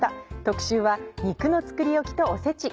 特集は「肉の作りおき」と「おせち」。